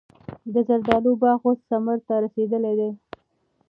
د زردالو باغ اوس ثمر ته رسېدلی دی.